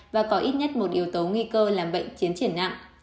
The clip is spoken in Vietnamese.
và có ít nhất một yếu tố nguy cơ làm bệnh chiến triển nặng